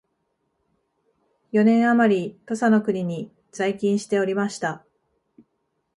四年あまり土佐の国に在勤しておりました